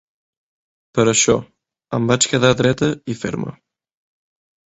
Per això, em vaig quedar dreta i ferma.